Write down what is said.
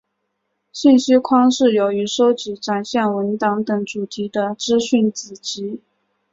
信息框是由于收集展现文档等主题的资讯子集。